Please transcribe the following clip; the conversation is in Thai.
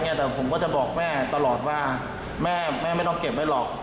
แต่ผมก็จะบอกแม่ตลอดว่าแม่ไม่ต้องเก็บไว้หรอก